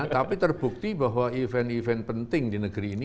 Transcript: tapi terbukti bahwa event event penting di negeri ini